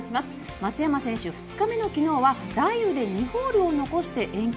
松山選手、２日目の昨日は雷雨で２ホールを残して延期。